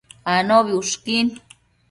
Anobi ushquin